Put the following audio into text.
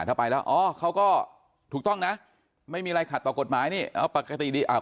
ถ้าไปแล้วอ๋อเขาก็ถูกต้องนะไม่มีอะไรขัดต่อกฎหมายนี่เอาปกติดีอ่า